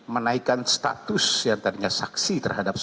menaikkan status yang tadinya saksi terhadap